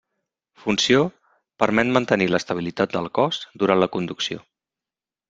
Funció: permet mantenir l'estabilitat del cos durant la conducció.